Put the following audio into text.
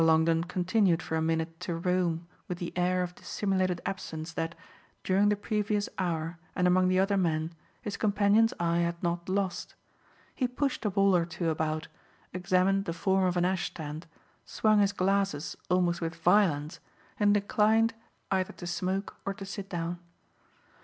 Longdon continued for a minute to roam with the air of dissimulated absence that, during the previous hour and among the other men, his companion's eye had not lost; he pushed a ball or two about, examined the form of an ash stand, swung his glasses almost with violence and declined either to smoke or to sit down.